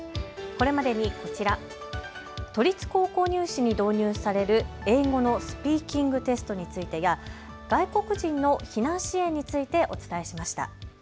これまでにこちら、都立高校入試に導入される英語のスピーキングテストについてや外国人の避難支援についてお伝えしました。